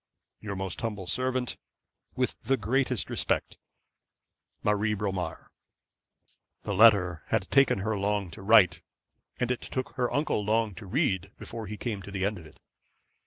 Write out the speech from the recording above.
'Your most humble servant, 'With the greatest respect, 'MARIE BROMAR.' The letter had taken her long to write, and it took her uncle long to read, before he came to the end of it.